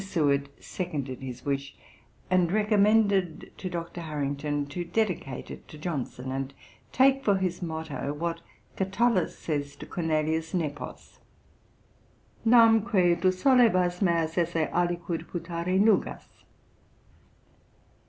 Seward seconded this wish, and recommended to Dr. Harrington to dedicate it to Johnson, and take for his motto, what Catullus says to Cornelius Nepos: ' namque tu solebas, Meas esse aliquid putare NUGAS.'